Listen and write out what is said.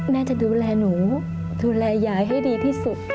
แม่จะดูแลหนูดูแลยายให้ดีที่สุด